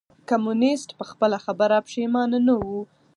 کمونيسټ په خپله خبره پښېمانه نه و.